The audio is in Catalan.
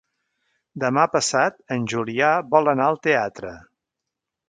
Demà passat en Julià vol anar al teatre.